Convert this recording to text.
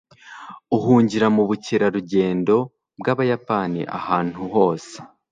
Uhungira mubukerarugendo bwabayapani ahantu hose